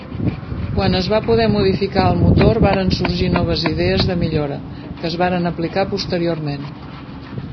Quan es va poder modificar el motor varen sorgir noves idees de millora, que es varen aplicar posteriorment.